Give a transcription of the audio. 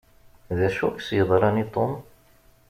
D acu i s-yeḍṛan i Tom?